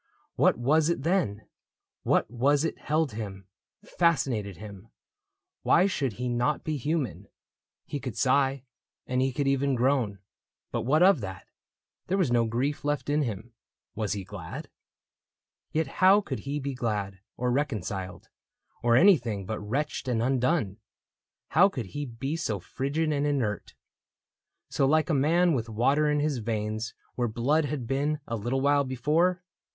What was it, then ? What was it held him — fascinated him ? Why should he not be human ? He could sigh. And he could even groan, — but what of that ? There was no grief left in him. Was he glad ? Yet how could he be glad, or reconciled. Or anything but wretched and undone ? How could he be so frigid and inert — 132 THE BOOK OF ANNANDALE So like a man with water in his veins Where blood had been a little while before